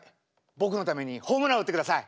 僕のためにホームラン打ってください。